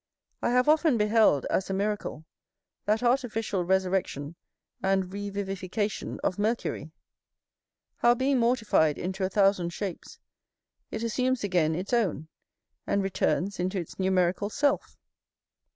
I have often beheld, as a miracle, that artificial resurrection and revivification of mercury, how being mortified into a thousand shapes, it assumes again its own, and returns into its numerical self.